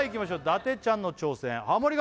伊達ちゃんの挑戦ハモリ